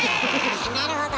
なるほど。